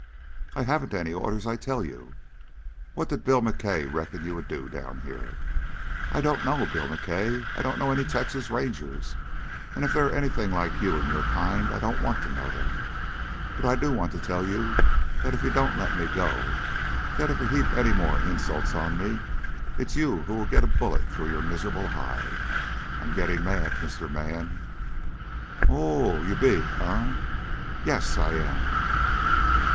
"I haven't any orders, I tell you." "What did Bill McKay reckon you would do down here?" "I don't know Bill McKay, I don't know any Texas Rangers, and if they are anything like you and your kind, I don't want to know them. But I do want to tell you that if you don't let me go that if you heap any more insults on me it is you who will get a bullet through your miserable hide. I'm getting mad, Mr. Man." "Oho! Ye be, eh?" "Yes, I am."